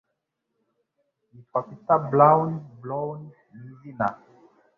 Yitwa Peter Brown Brown ni izina rye